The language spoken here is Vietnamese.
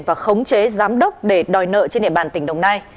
và khống chế giám đốc để đòi nợ trên địa bàn tỉnh đồng nai